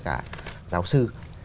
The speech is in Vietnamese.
cả giáo sư